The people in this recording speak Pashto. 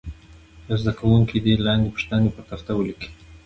یو زده کوونکی دې لاندې پوښتنې پر تخته ولیکي.